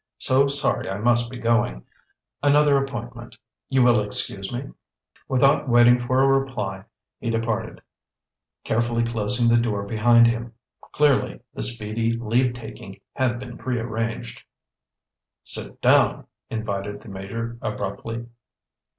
"So sorry I must be going. Another appointment. You will excuse me?" Without waiting for a reply, he departed, carefully closing the door behind him. Clearly the speedy leave taking had been prearranged. "Sit down!" invited the Major abruptly.